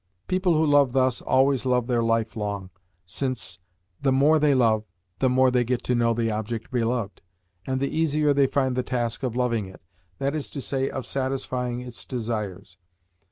People who love thus always love their life long, since, the more they love, the more they get to know the object beloved, and the easier they find the task of loving it that is to say, of satisfying its desires.